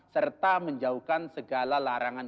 serta menjauhkan segala larangan